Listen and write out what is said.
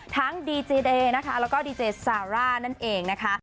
ดีเจเดย์นะคะแล้วก็ดีเจซาร่านั่นเองนะคะ